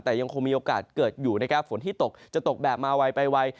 แต่ยังคงมีโอกาสเกิดอยู่นะครับฝนที่ตกจะตกแบบมาไวไปไว